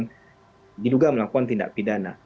jadi ini juga melakukan tindak pidana